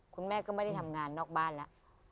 คุณแม่ก็ไม่ได้ทำงานนอกบ้านแล้ว